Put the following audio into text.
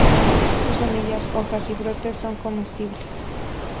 Sus semillas, hojas y brotes son comestibles.